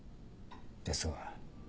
ですが。